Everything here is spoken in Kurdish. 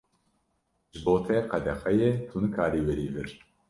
Ji bo te qedexe ye, tu nikarî werî vir.